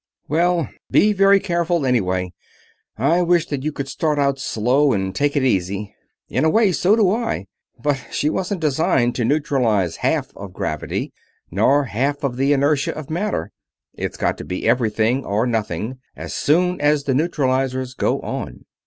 "Well, be very careful, anyway. I wish that you could start out slow and take it easy." "In a way, so do I, but she wasn't designed to neutralize half of gravity, nor half of the inertia of matter it's got to be everything or nothing, as soon as the neutralizers go on.